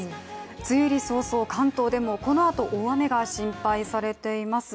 梅雨入り早々関東でもこのあと大雨が心配されています。